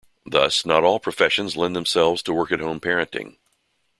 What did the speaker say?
Thus, not all professions lend themselves to work-at-home parenting.